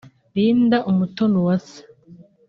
Linda Umutoniwase